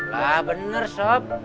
lah bener sop